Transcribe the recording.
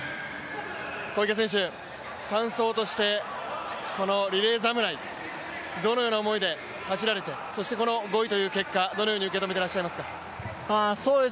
小池選手、３走として、このリレー侍、どのような思いで走られてそして５位という結果どのように受け止めてらっしゃいますか。